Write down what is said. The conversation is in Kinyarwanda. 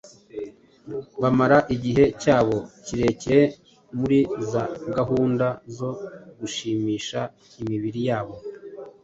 bamara igihe cyabo kirekire muri za gahunda zo gushimisha imibiri yabo